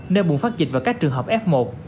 nên buồn phát dịch và các trường hợp f một